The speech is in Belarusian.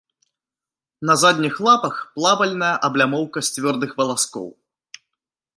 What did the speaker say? На задніх лапах плавальная аблямоўка з цвёрдых валаскоў.